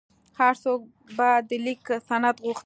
هر څوک به د لیک سند غوښت.